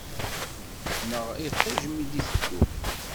Neɣ iṭij mi i d-iteddu.